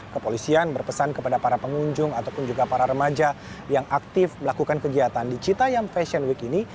kepolisian berpesan kepada para pengunjung ataupun juga para remaja yang aktif melakukan kegiatan di citayam fashion week ini